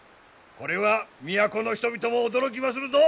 これは都の人々も驚きまするぞ！